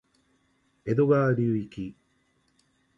江戸川流域